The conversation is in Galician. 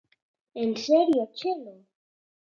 En serio, Chelo.